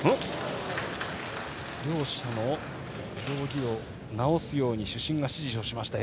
両者の道着を直すように主審が指示しました。